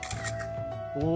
お！